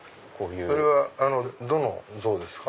それはどの像ですか？